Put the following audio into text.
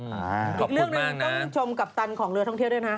อีกเรื่องหนึ่งต้องชมกัปตันของเรือท่องเที่ยวด้วยนะ